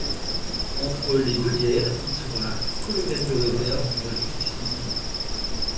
Entre les deux guerres, il sera colonel de réserve dans la justice militaire.